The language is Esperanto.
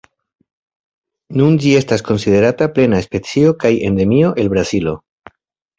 Nun ĝi estas konsiderata plena specio kaj endemio el Brazilo.